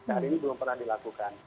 hari ini belum pernah dilakukan